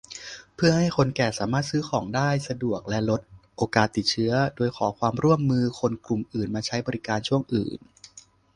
เพื่อให้คนแก่สามารถซื้อของได้สะดวกและลดโอกาสติดเชื้อ โดยขอความร่วมมือคนกลุ่มอื่นมาใช้บริการช่วงอื่น